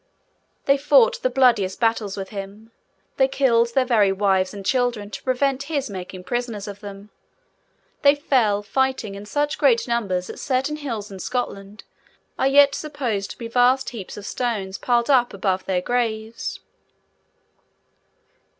They fought the bloodiest battles with him; they killed their very wives and children, to prevent his making prisoners of them; they fell, fighting, in such great numbers that certain hills in Scotland are yet supposed to be vast heaps of stones piled up above their graves.